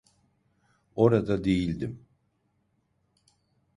Orada değildim.